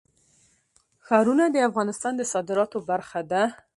ښارونه د افغانستان د صادراتو برخه ده.